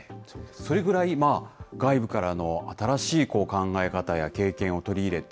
それぐらい外部からの新しい考え方や経験を取り入れて。